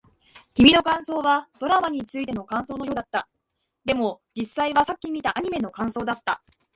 君の感想はドラマについての感想のようだった。でも、実際はさっき見たアニメの感想だった。